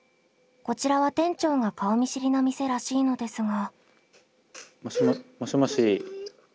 こちらは店長が顔見知りの店らしいのですが。